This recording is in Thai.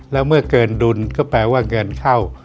แล้วเมื่อเกินดุลก็แปลว่าเงินเข้า